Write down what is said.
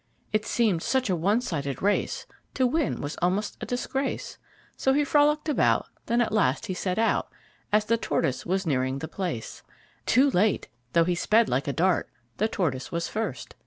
It seemed such a one sided race, To win was almost a disgrace. So he frolicked about Then at last he set out As the Tortoise was as nearing the place. Too late! Though he sped like a dart, The Tortoise was first.